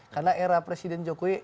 karena era presiden jokowi ini